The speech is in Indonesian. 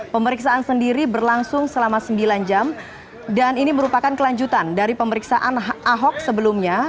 pemeriksaan sendiri berlangsung selama sembilan jam dan ini merupakan kelanjutan dari pemeriksaan ahok sebelumnya